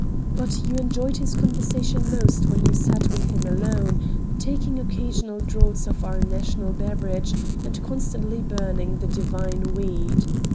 But you enjoyed his conversation most when you sat with him alone, taking occasional draughts of our national beverage, and constantly burning "the divine weed."